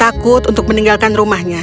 takut untuk meninggalkan rumahnya